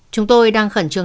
chúng tôi đang khẩn trương